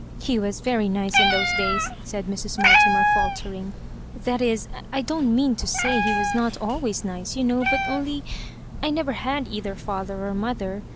" He was very nice in those days," said Mrs. Mortimer, faltering; "that is, I don't mean to say he was not always nice, you know, but only ^ I never had either father or mother.